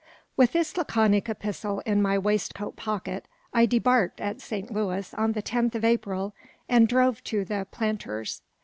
With this laconic epistle in my waistcoat pocket, I debarked at Saint Louis on the 10th of April, and drove to the "Planters'."